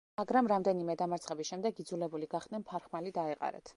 მაგრამ რამდენიმე დამარცხების შემდეგ იძულებული გახდნენ ფარხმალი დაეყარათ.